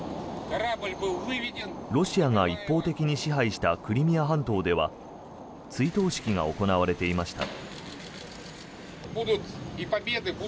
ロシアが一方的に支配したクリミア半島では追悼式が行われていました。